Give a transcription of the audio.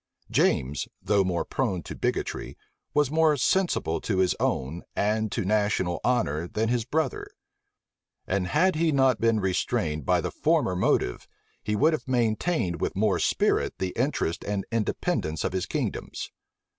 James, though more prone to bigotry, was more sensible to his own and to national honor than his brother; and had he not been restrained by the former motive, he would have maintained with more spirit the interests and independence of his kingdoms.